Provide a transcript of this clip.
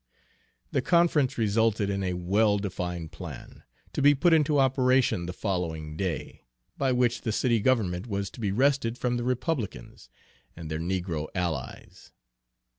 The conference resulted in a well defined plan, to be put into operation the following day, by which the city government was to be wrested from the Republicans and their negro allies.